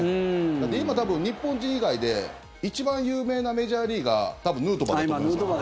だって、今多分、日本人以外で一番有名なメジャーリーガー多分ヌートバーだと思いますよ。